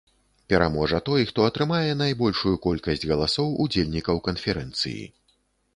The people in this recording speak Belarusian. Пераможа той, хто атрымае найбольшую колькасць галасоў удзельнікаў канферэнцыі.